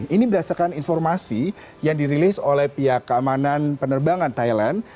ini berdasarkan informasi yang dirilis oleh pihak keamanan penerbangan thailand